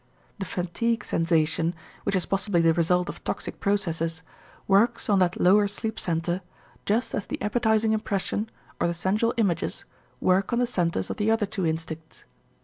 The fatigue sensation, which is possibly the result of toxic processes, works on that lower sleep center, just as the appetizing impression or the sensual images work on the centers of the other two instincts.